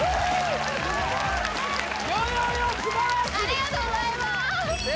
ありがとうございます